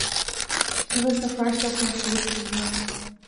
She was the first of their four children.